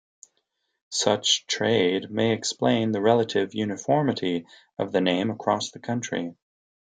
Such trade may explain the relative uniformity of the name across the country.